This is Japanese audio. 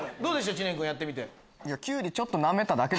知念君やってみて。